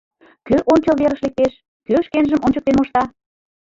Кӧ ончыл верыш лектеш, кӧ шкенжым ончыктен мошта?